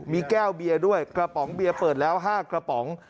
มีแก้วเบียร์ด้วยกระป๋องเบียร์เปิดแล้ว๕กระป๋อง